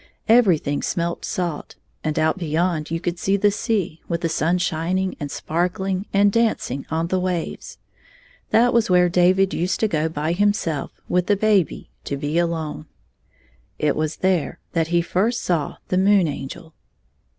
Everything smelt salt, and out heyond you could see the sea, with the sun shining and sparkling and dancing on the waves. That was where David used to go by himself with the baby to be alone. It was there that he first saw the Moon Angel.